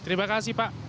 terima kasih pak